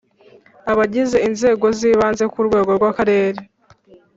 Abagize inzego z ibanze ku rwego rw Akarere